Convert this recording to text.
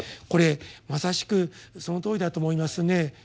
これまさしくそのとおりだと思いますね。